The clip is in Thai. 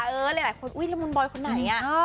เออหลายคนอุ๊ยละมุนบอยคนไหน